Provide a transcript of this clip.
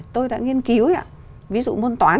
tôi đã nghiên cứu